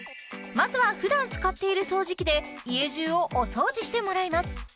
まずはふだん使っている掃除機で家じゅうをお掃除してもらいます